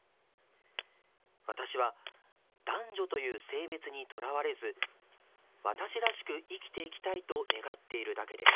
私は男女という性別に囚われず私らしく生きていきたいと願っているだけです。